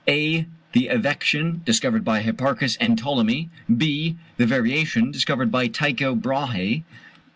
(a) The evection, discovered by Hipparchus and Ptolemy. (b) The variation, discovered by Tycho Brahé.